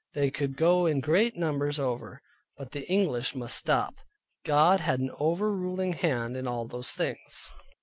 They could go in great numbers over, but the English must stop. God had an over ruling hand in all those things.